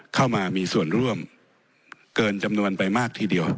เข้ามามีส่วนร่วมเกินจำนวนไปมากทีเดียว